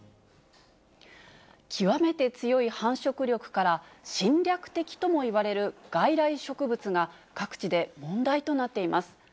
極めて強い繁殖力から、侵略的ともいわれる外来植物が、各地で問題となっています。